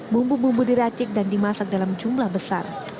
bumbu bumbu diracik dan dimasak dalam jumlah besar